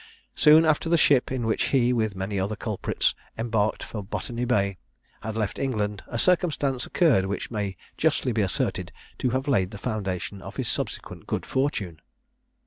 Soon after the ship in which he, with many other culprits, embarked for Botany Bay, had left England, a circumstance occurred which may justly be asserted to have laid the foundation of his subsequent good fortune.